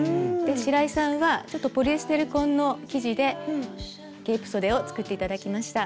白井さんはちょっとポリエステル混の生地でケープそでを作って頂きました。